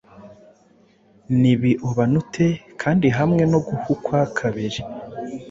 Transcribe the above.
Ntibiobanute kandi hamwe no guhukwa kabiri